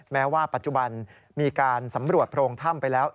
แม้ว่าปัจจุบันมีการสำรวจโพรงถ้ำไปแล้ว